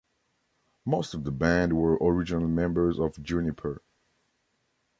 Most of the band were originally members of Juniper.